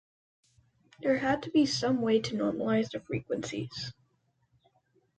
There had to be some way to normalize the frequencies.